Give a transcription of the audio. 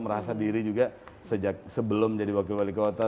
merasa diri juga sebelum jadi wakil wali kota